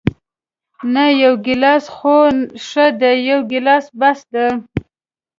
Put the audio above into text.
نه، یو ګیلاس خو ښه دی، یو ګیلاس بس دی.